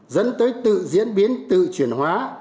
dẫn tới tự diễn biến tự chuyển hóa